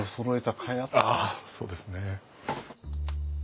そうですね。